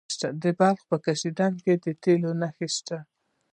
د بلخ په کشنده کې د تیلو نښې شته.